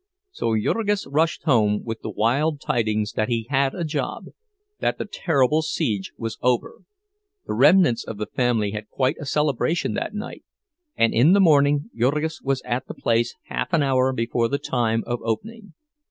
So Jurgis rushed home with the wild tidings that he had a job—that the terrible siege was over. The remnants of the family had quite a celebration that night; and in the morning Jurgis was at the place half an hour before the time of opening.